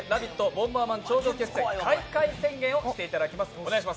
ボンバーマン王の対決開会宣言をしていただきます。